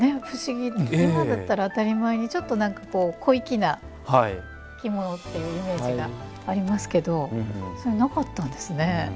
今だったら当たり前にちょっと何かこう小粋な着物っていうイメージがありますけどなかったんですね。